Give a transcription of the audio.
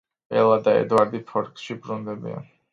ბელა და ედვარდი ფორკსში ბრუნდებიან.